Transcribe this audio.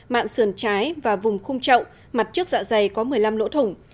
mạng sườn trái và vùng khung trậu mặt trước dạ dày có một mươi năm lỗ thủng